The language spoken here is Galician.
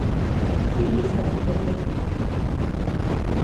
¿Que di esa auditoría?